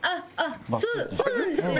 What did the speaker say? そそうなんですよ。